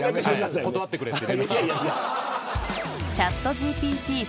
断ってくれって。